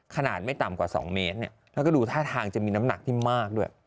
ไม่ต่ำกว่า๒เมตรแล้วก็ดูท่าทางจะมีน้ำหนักที่มากด้วย